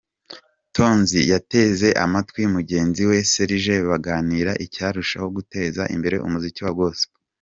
Tonzi yateze amatwi mugenzi we Serge baganira icyarushaho guteza imbere umuziki wa Gospel.